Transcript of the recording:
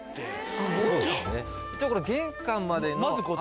すごいな。